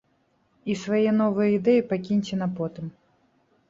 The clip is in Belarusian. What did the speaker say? І свае новыя ідэі пакіньце на потым.